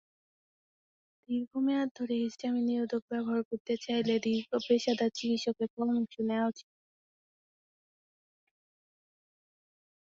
দীর্ঘ মেয়াদ ধরে হিস্টামিন নিরোধক ব্যবহার করতে চাইলে পেশাদার চিকিৎসকের পরামর্শ নেওয়া উচিত।